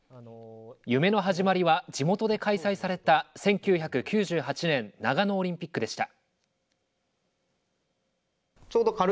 夢の始まりは地元で開催された１９９８年長野オリンピックでした。